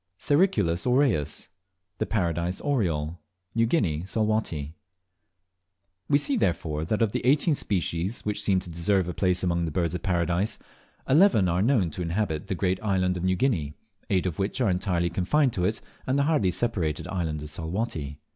18. (?) Sericulus aureus (The Paradise Oriole). New Guinea, Salwatty. We see, therefore, that of the eighteen species which seem to deserve a place among the Birds of Paradise, eleven are known to inhabit the great island of New Guinea, eight of which are entirely confined to it and the hardly separated island of Salwatty.